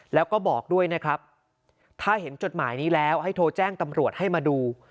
แล้วก็บอกด้วยนะครับถ้าเห็นจดหมายนี้แล้วให้โทรแจ้งตำรวจให้มาดู